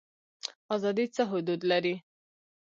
ازادي څه حدود لري؟